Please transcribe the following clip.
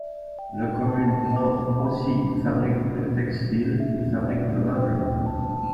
La commune compte aussi une fabrique de textiles une fabrique de meubles.